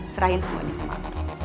serahin semuanya sama aku